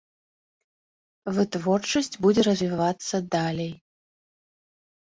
Вытворчасць будзе развівацца далей.